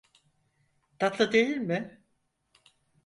Tatlı değil mi?